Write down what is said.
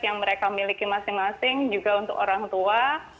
yang mereka miliki masing masing juga untuk orang tua